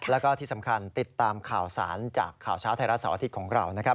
แล้วก็ที่สำคัญติดตามข่าวสารจากข่าวเช้าไทยรัฐเสาร์อาทิตย์ของเรานะครับ